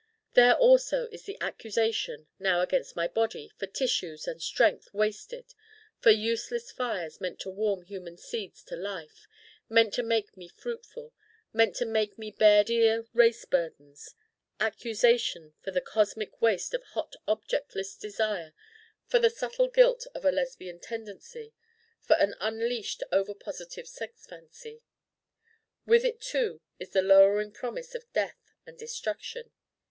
There also is the accusation, now against my Body; for tissues and strength wasted: for useless fires meant to warm human seeds to life, meant to make me fruitful, meant to make me bear dear race burdens: accusation for the cosmic waste of hot objectless desire, for the subtle guilt of a Lesbian tendency, for an unleashed over positive sex fancy. With it too is the lowering promise of death and destruction.